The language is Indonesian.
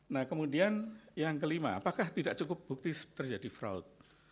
nah kemudian yang kelima apakah tidak cukup bukti terjadi fraud